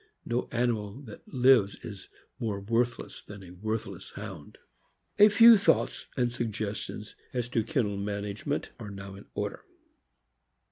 No animal that lives is more worthless than a worthless Hound. A few thoughts and suggestions as to kennel manage ment are now in order.